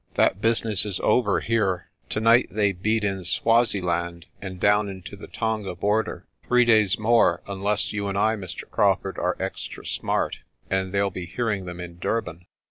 That business is over here. Tonight they beat in Swaziland and down into the Tonga border. Three days more, unless you and I, Mr. Crawfurd, are extra smart, and they'll be hearing them in Durban."